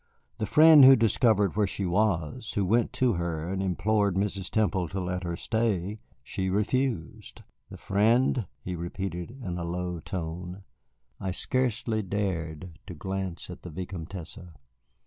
The friend who discovered where she was, who went to her and implored Mrs. Temple to let her stay, she refused." "The friend?" he repeated in a low tone. I scarcely dared to glance at the Vicomtesse.